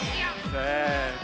せの。